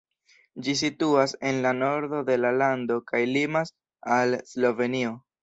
Ĝi situas en la nordo de la lando kaj limas al Slovenio.